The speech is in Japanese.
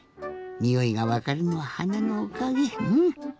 においがわかるのははなのおかげうん。